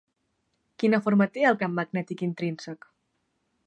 Quina forma té el camp magnètic intrínsec?